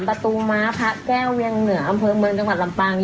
ประตูม้าพระแก้วเวียงเหนืออำเภอเมืองจังหวัดลำปาง